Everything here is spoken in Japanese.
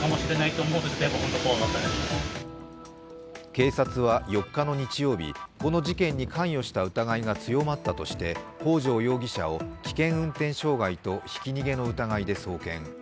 警察は４日の日曜日、この事件に関与した疑いが強まったとして北條容疑者を危険運転傷害とひき逃げの疑いで送検。